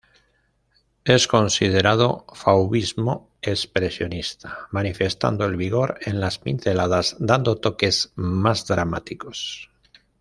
Es considerado Fauvismo-expresionista, manifestando el vigor en las pinceladas dando toques más dramáticos.